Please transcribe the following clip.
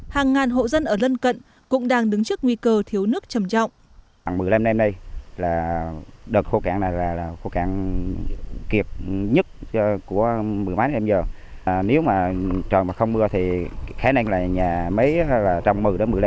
hàng ngàn hộ dân ở lân cận cũng đang đứng trước nguy cơ thiếu nước trầm trọng